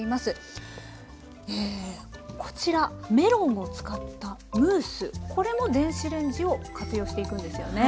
えこちらメロンを使ったムースこれも電子レンジを活用していくんですよね？